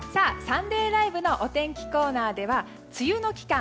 「サンデーＬＩＶＥ！！」のお天気コーナーでは梅雨の期間